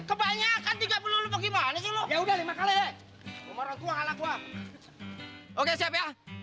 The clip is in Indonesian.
kebanyakan tiga puluh lo mau gimana sih lo